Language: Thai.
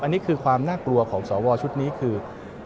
อันนี้คือความน่ากลัวของสวชุดนี้คือ